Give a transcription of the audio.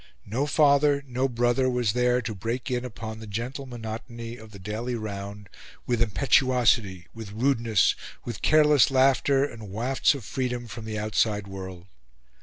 No father, no brother, was there to break in upon the gentle monotony of the daily round with impetuosity, with rudeness, with careless laughter and wafts of freedom from the outside world.